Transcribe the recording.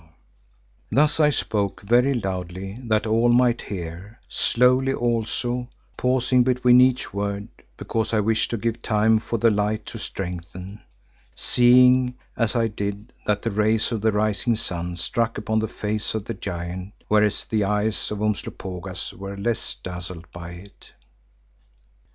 Thus I spoke, very loudly that all might hear, slowly also, pausing between each word because I wished to give time for the light to strengthen, seeing as I did that the rays of the rising sun struck upon the face of the giant, whereas the eyes of Umslopogaas were less dazzled by it.